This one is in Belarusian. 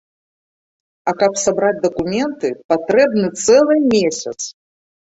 А каб сабраць дакументы, патрэбны цэлы месяц.